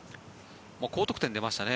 高得点出ましたね